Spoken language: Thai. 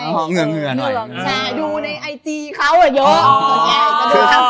ไม่รู้กัน